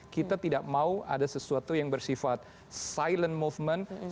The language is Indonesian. kita tidak mau ada sesuatu yang bersifat silent movement